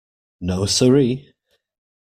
No-sir-ee.